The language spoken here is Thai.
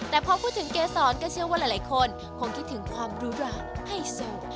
แต่พอพูดถึงเกษรก็เชื่อว่าหลายคนคงคิดถึงความรู้รักให้สุด